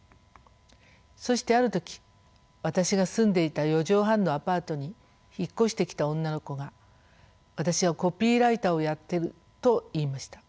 そしてある時私が住んでいた四畳半のアパートに引っ越してきた女の子が「私はコピーライターをやってる」と言いました。